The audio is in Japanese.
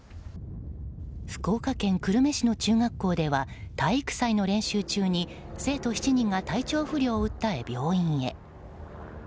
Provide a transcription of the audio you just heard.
福岡県久留米市の中学校では体育祭の練習中に生徒７人が体調不良を訴え病院へ。